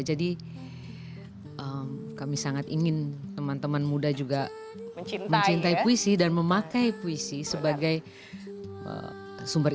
jadi kami sangat ingin teman teman muda juga mencintai puisi dan memakai puisi sebagai sumber of inspireragner